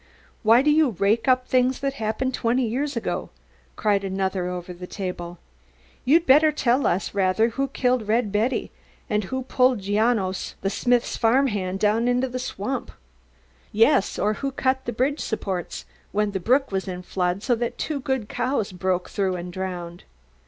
"Why do you rake up things that happened twenty years ago?" cried another over the table. "You'd better tell us rather who killed Red Betty, and pulled Janos, the smith's farm hand, down into the swamp?" "Yes, or who cut the bridge supports, when the brook was in flood, so that two good cows broke through and drowned?"